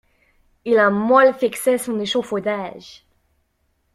Il a mal fixé son échaufaudage.